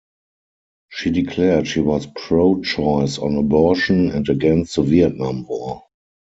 She declared she was pro-choice on abortion and against the Vietnam War.